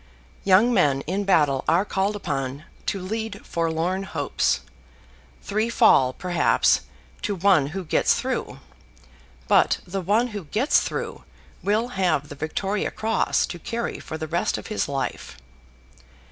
Young men in battle are called upon to lead forlorn hopes. Three fall, perhaps, to one who gets through; but the one who gets through will have the Victoria Cross to carry for the rest of his life.